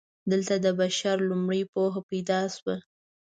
دلته د بشر لومړنۍ پوهه پیدا شوه.